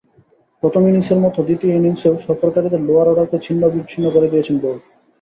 প্রথম ইনিংসের মতো দ্বিতীয় ইনিংসেও সফরকারীদের লোয়ার অর্ডারকে ছিন্নভিন্ন করে দিয়েছেন বোল্ট।